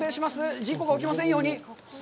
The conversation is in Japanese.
事故が起きませんように。